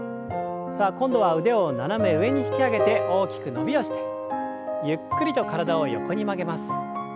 さあ今度は腕を斜め上に引き上げて大きく伸びをしてゆっくりと体を横に曲げます。